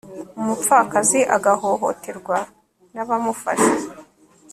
umupfakazi agahohoterwa n'abamufasha